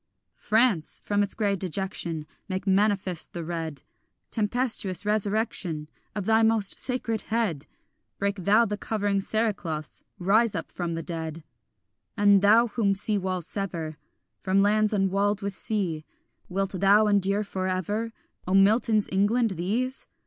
France! from its grey dejection Make manifest the red Tempestuous resurrection Of thy most sacred head! Break thou the covering cerecloths; rise up from the dead. And thou, whom sea walls sever From lands unwalled with seas, Wilt thou endure for ever, O Milton's England, these?